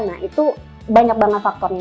nah itu banyak banget faktornya